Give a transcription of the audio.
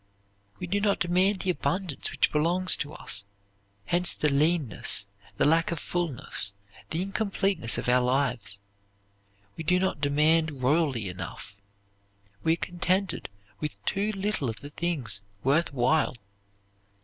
We do not demand the abundance which belongs to us, hence the leanness, the lack of fulness, the incompleteness of our lives. We do not demand royally enough. We are content with too little of the things worth while.